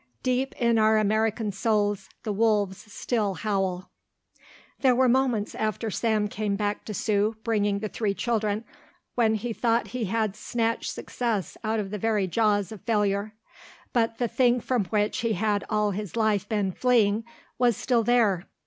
Deep in our American souls the wolves still howl. There were moments after Sam came back to Sue, bringing the three children, when he thought he had snatched success out of the very jaws of failure. But the thing from which he had all his life been fleeing was still there.